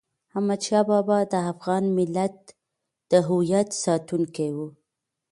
احمد شاه بابا د افغان ملت د هویت ساتونکی و.